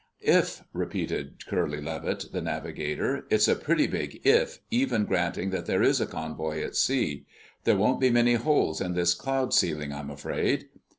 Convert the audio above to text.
"If!" repeated Curly Levitt, the navigator. "It's a pretty big 'if,' even granting that there is a convoy at sea. There won't be many holes in this cloud ceiling, I'm afraid...."